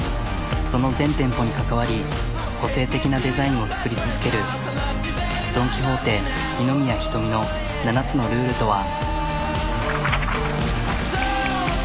その全店舗に関わり個性的なデザインを作り続けるドン・キホーテ二宮仁美の７つのルールとは。